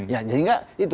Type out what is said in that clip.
ya sehingga itu